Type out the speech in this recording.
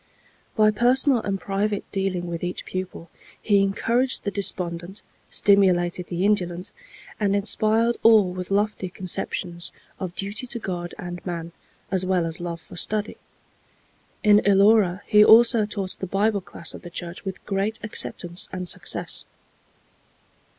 By personal and private dealing with each pupil, he encouraged the despondent, stimulated the indolent, and inspired all with lofty conceptions of duty to God and man, as well as love for study. In Elora he also taught the Bible class of the church with great acceptance and success.